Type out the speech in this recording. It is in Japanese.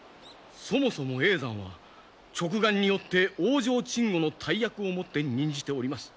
そもそも叡山は勅願によって王城鎮護の大役をもって任じております。